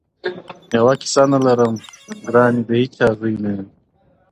یوه کیسه نه لرم، ګراني د هیچا زوی نه یم.